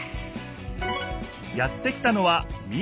やって来たのは民